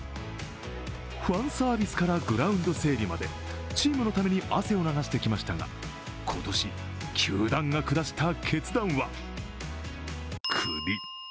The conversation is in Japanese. ファンサービスから、グラウンド整備までチームのために汗を流してきましたが今年、球団が下した決断はクビ。